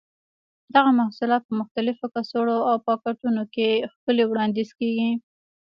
دغه محصولات په مختلفو کڅوړو او پاکټونو کې ښکلي وړاندې کېږي.